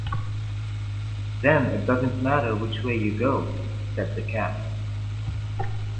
‘Then it doesn’t matter which way you go,’ said the Cat.